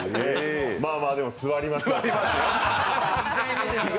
まあまあ、でも座りましょう。